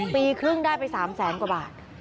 ปีครึ่งได้ไป๓แสนกว่าบาท